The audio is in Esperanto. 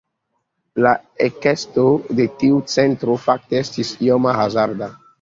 La ekesto de tiu centro fakte estis iom hazarda.